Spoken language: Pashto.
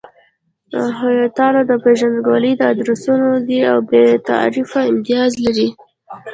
هویتونه د پېژندګلوۍ ادرسونه دي او بې تعارفه امتیاز نلري.